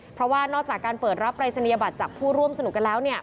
เพราะว่านอกจากการเปิดรับปรายศนียบัตรจากผู้ร่วมสนุกกันแล้ว